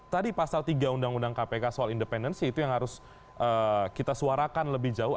tadi pasal tiga undang undang kpk soal independensi itu yang harus kita suarakan lebih jauh